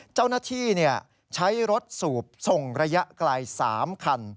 เจ้าหน้าที่ใช้รถสูบส่งระยะไกล๓คัน